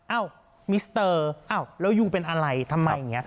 เอ้ามิสเตอร์แล้วยูเป็นอะไรทำไม